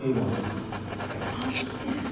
あ鍵ですか？